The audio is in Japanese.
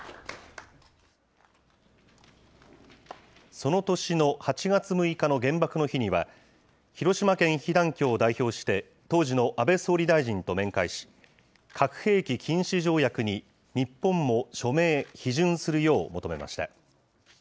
その年の８月６日の原爆の日には、広島県被団協を代表して、当時の安倍総理大臣と面会し、核兵器禁止条約に日本も署名・批准するよう求めました。